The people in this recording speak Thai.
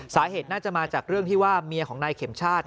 สาเหตุน่าจะมาจากเรื่องที่ว่าเมียของนายเข็มชาติ